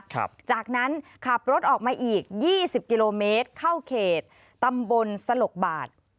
จากนั้นขับรถออกมาอีกยี่สิบกิโลเมตรเข้าเขตตำบลสลกบาท